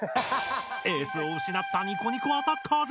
エースをうしなったニコニコアタッカーズ。